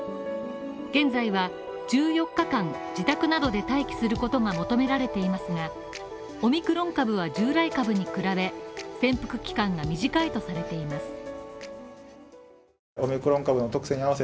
現在は１４日間、自宅などで待機することが求められていますが、オミクロン株は従来株に比べ、潜伏期間が短いとされています。